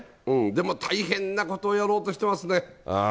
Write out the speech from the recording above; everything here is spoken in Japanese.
でも大変なことをやろうとしてますね。